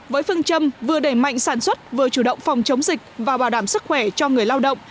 với phương châm vừa đẩy mạnh sản xuất vừa chủ động phòng chống dịch và bảo đảm sức khỏe cho người lao động